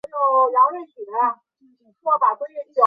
岛屿铁甲虫为金花虫科窄颈铁甲虫属下的一个种。